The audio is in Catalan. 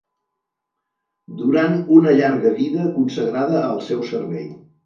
...durant una llarga vida consagrada al seu servei.